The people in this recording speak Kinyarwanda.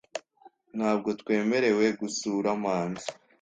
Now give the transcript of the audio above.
Ntabwo twemerewe gusura manzi